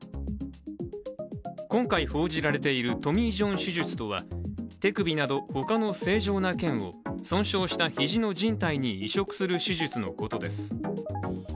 今回、報じられているトミー・ジョン手術とは手首など、他の正常なけんを損傷した肘のじん帯に移植する手術のことです。